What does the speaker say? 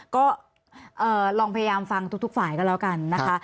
ก็ลองพยายามฟังทุกฝ่ายก็แล้วกันนะคะ